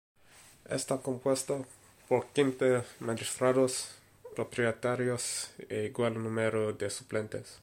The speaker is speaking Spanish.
Está compuesta por quince magistrados propietarios e igual número de suplentes.